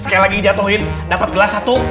sekali lagi jatohin dapet gelas satu